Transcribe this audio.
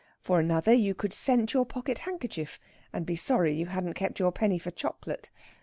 For another you could scent your pocket handkerchief, and be sorry you hadn't kept your penny for chocolate.